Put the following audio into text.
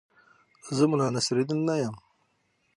زه ملا نصرالدین نه یم.